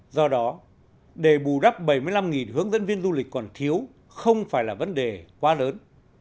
do đó để bù đắp bảy mươi năm hướng dẫn viên du lịch còn thiếu không phải là vấn đề quá lớn